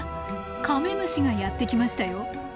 カメムシがやって来ましたよ。